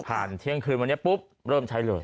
เที่ยงคืนวันนี้ปุ๊บเริ่มใช้เลย